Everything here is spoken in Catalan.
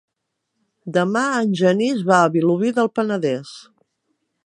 Demà en Genís va a Vilobí del Penedès.